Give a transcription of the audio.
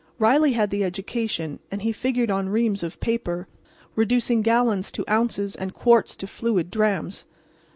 Riley had the education, and he figured on reams of paper, reducing gallons to ounces and quarts to fluid drams.